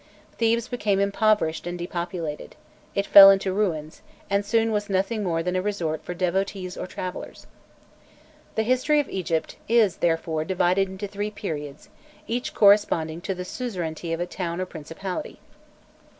Thebes became impoverished and depopulated; it fell into ruins, and soon was nothing more than a resort for devotees or travellers. The history of Egypt is, therefore, divided into three periods, each corresponding to the suzerainty of a town or a principality: I.